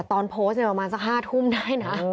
ตอนโพสต์ประมาณสัก๕ทุ่มได้นะ